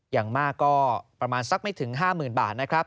อย่างมากก็ประมาณสักไม่ถึง๕๐๐๐บาทนะครับ